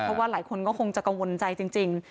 เพราะว่าหลายคนก็คงจะกังวลใจจริง